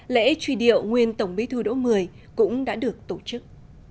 lễ truy điệu nguyên tổng bí thư đỗ mười cũng đã được tổ chức